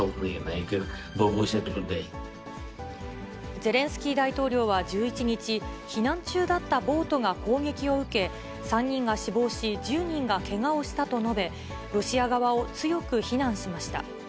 ゼレンスキー大統領は１１日、避難中だったボートが攻撃を受け、３人が死亡し、１０人がけがをしたと述べ、ロシア側を強く非難しました。